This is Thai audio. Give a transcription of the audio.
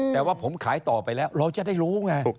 แต่ว่าผมขายต่อไปแล้วเราจะได้รู้ไง